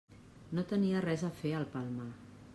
No tenia res a fer al Palmar.